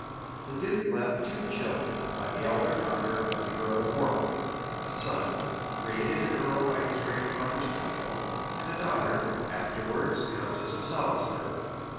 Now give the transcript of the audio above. The duke left two children by the elder daughter of the earl of Warwick; a son, created an earl by his grandfather's title, and a daughter, afterwards countess of Salisbury.